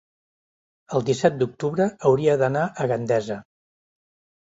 el disset d'octubre hauria d'anar a Gandesa.